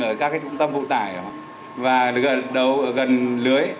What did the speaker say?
ở các trung tâm vụ tải và gần lưới